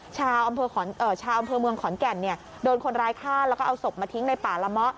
ชาวอำเภอเมืองขอนแก่นโดนคนร้ายฆ่าแล้วก็เอาศพมาทิ้งในป่าละเมาะ